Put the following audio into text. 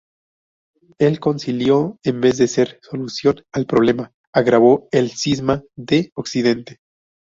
El concilio, en vez de ser solución al problema, agravó el Cisma de Occidente.